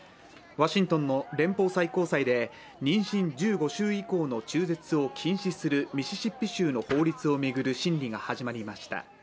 ワシントンの連邦最高裁で妊娠１５週以降の中絶を禁止するミシシッピ州の法律を巡る審理が始まりました。